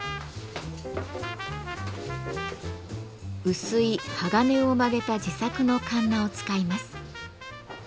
薄い鋼を曲げた自作の鉋を使います。